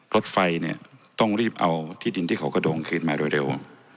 ลดไฟเนี่ยต้องรีบเอาที่ดินของเตอร์โครงขึ้นมาเร็ว